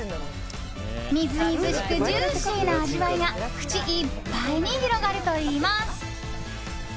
みずみずしくジューシーな味わいが口いっぱいに広がるといいます。